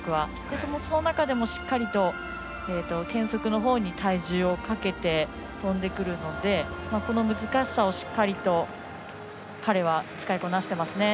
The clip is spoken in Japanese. その中でもしっかり健側のほうに体重をかけて跳んでくるのでこの難しさをしっかりと彼は使いこなしていますね。